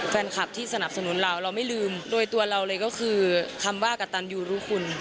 แฟนคลับที่สนับสนุนเราเราไม่ลืมโดยตัวเราเลยก็คือคำว่ากระตันยูรุคุณ